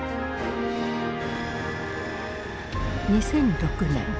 ２００６年。